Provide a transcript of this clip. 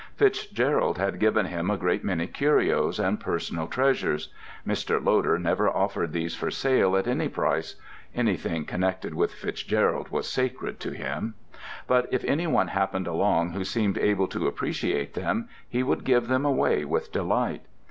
FitzGerald had given him a great many curios and personal treasures: Mr. Loder never offered these for sale at any price (anything connected with FitzGerald was sacred to him) but if any one happened along who seemed able to appreciate them he would give them away with delight.